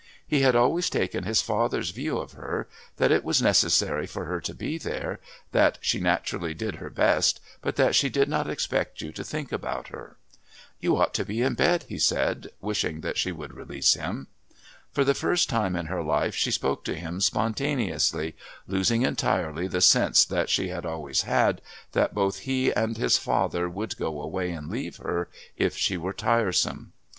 He had always taken his father's view of her, that it was necessary for her to be there, that she naturally did her best, but that she did not expect you to think about her. "You ought to be in bed," he said, wishing that she would release him. For the first time in her life she spoke to him spontaneously, losing entirely the sense that she had always had, that both he and his father would go away and leave her if she were tiresome.